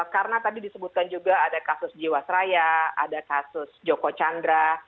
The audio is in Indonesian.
karena tadi disebutkan juga ada kasus jiwasraya ada kasus joko chandra